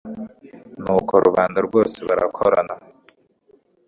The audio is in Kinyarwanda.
nuko rubanda rwose barakorana